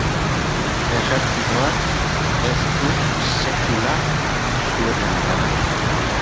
Ejertzitoak ez du sekula su-etena iragarri.